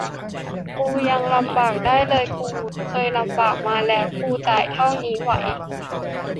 กูยังลำบากได้เลย กูเคยลำบากมาแล้ว กูจ่ายเท่านี้ไหว